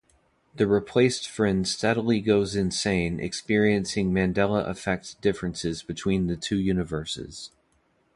The replaced friend steadily goes insane experiencing Mandela effect differences between the two universes.